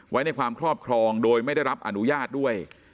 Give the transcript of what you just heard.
ไว้ในความครอบครองโดยไม่ได้รับอนุญาตด้วย